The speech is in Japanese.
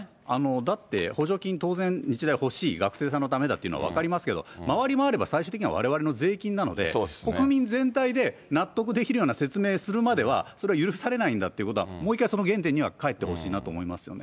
だって、補助金、当然、日大は欲しい、学生さんのためだというのも分かりますけど、回り回れば、最終的にはわれわれの税金なので、国民全体で納得できるような説明するまでは、それは許されないんだっていうことは、もう一回、その原点にはかえってほしいなと思いますよね。